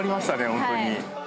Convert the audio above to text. ホントに。